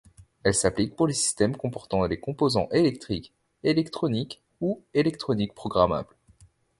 Elle s'applique pour les systèmes comportant des composants électriques, électroniques ou électroniques programmables.